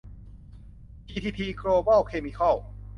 พีทีที โกลบอล เคมิคอล